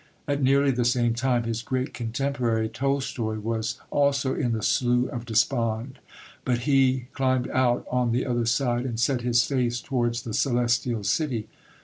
At nearly the same time his great contemporary Tolstoi was also in the Slough of Despond, but he climbed out on the other side and set his face towards the Celestial City.